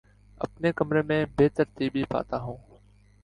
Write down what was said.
اپنے کمرے میں بے ترتیبی پاتا ہوں